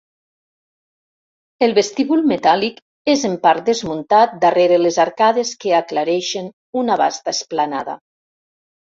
El vestíbul metàl·lic és en part desmuntat darrere les arcades que aclareixen una vasta esplanada.